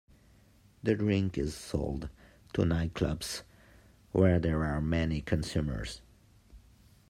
The drink is sold to nightclubs where there are many consumers.